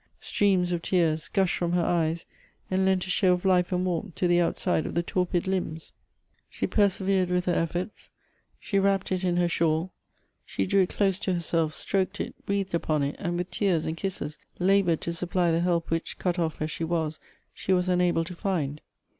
Streams of tears gushed from her eyes, and lent a show of life and warmth to the outside of the torpid limbs. She per severed with her efforts ; she wrapped it in her shawl, she drew it close to herself, stroked it, breathed upon it, and with tears and kisses labored to supply the help which, cut off as she was, she was unable to find.